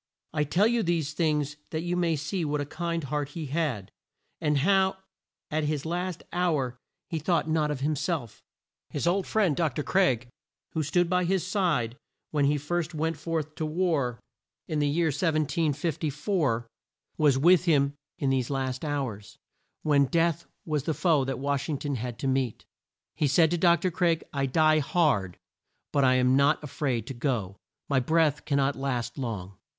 I tell you these things that you may see what a kind heart he had, and how at his last hour he thought not of him self. His old friend, Dr. Craik, who stood by his side when he first went forth to war, in the year 1754, was with him in these last hours, when Death was the foe that Wash ing ton had to meet. He said to Dr. Craik, "I die hard, but I am not a fraid to go, my breath can not last long."